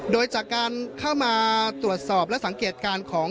โดยจากการเข้ามาตรวจสอบและสังเกตการณ์ของ